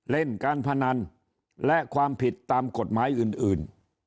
เล่นการพนันและความผิดตามกฎหมายอื่น